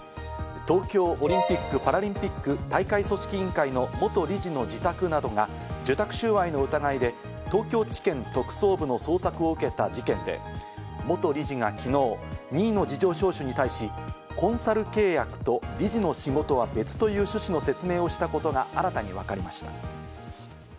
東京オリンピック・パラリンピック大会組織委員会の元理事の自宅などが、受託収賄の疑いで東京地検特捜部の捜索を受けた事件で、元理事が昨日、任意の事情聴取に対し、コンサル契約と理事の仕事は別という趣旨の説明をしたことが新たに分かりました。